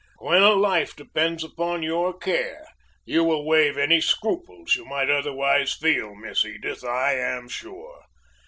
When a life depends upon your care, you will waive any scruples you might otherwise feel, Miss Edith, I am sure!